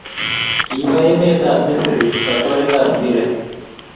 Kiba emet ab Misri katwarik ab mpiret